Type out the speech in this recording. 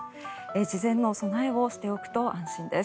事前の備えをしておくと安心です。